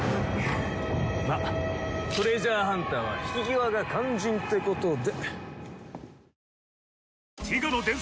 まっトレジャーハンターは引き際が肝心ってことで。